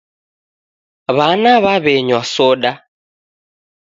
W'ana w'aw'enywa soda